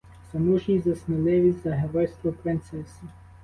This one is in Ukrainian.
За мужність, за сміливість, за геройство принцеси!